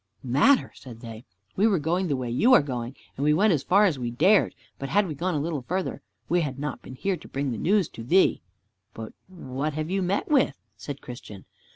"Matter!" said they. "We were going the way you are going, and we went as far as we dared. But had we gone a little farther we had not been here to bring the news to thee." "But what have you met with?" said Christian.